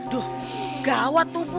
aduh gawat tuh bu